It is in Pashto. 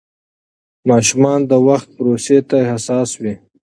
ماشومان د وخت پروسې ته حساس وي.